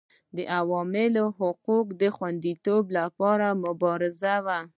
د عوامو د حقوقو د خوندیتوب لپاره مبارزه وه.